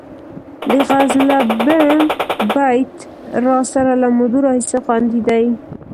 د غزلبڼ بیت راسره له مودو راهیسې خوندي دی.